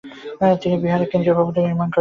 তিনি বিহারের কেন্দ্রীয় ভবনটির নির্মাণ করেন।